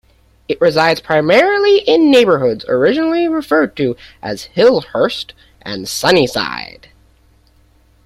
It resides primarily in the neighbourhoods originally referred to as Hillhurst and Sunnyside.